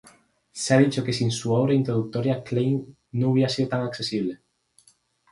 Se ha dicho que sin su obra introductoria Klein no hubiera sido tan accesible.